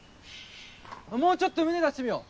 もうちょっと胸出してみよう。